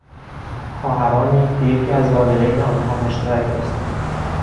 خواهرانی که یکی از والدین آنها مشترک است